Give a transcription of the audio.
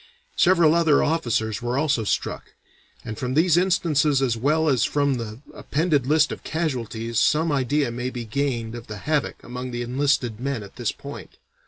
Several other officers were also struck; and from these instances as well as from the appended list of casualties some idea may be gained of the havoc among the enlisted men at this point.